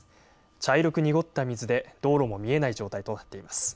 茶色く濁った水で道路も見えない状態となっています。